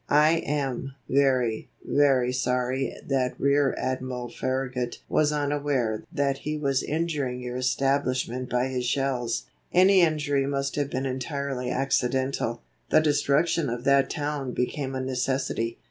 "I am very, very sorry that Rear Admiral Farragut was unaware that he was injuring your establishment by his shells. Any injury must have been entirely accidental. The destruction of that town became a necessity.